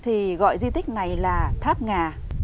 thì gọi di tích này là tháp ngà